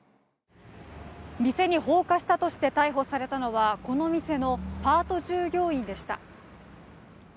店に放火したとして逮捕されたのはこの店のパート従業員でした。